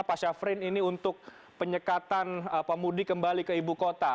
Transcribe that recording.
pak syafrin ini untuk penyekatan pemudik kembali ke ibu kota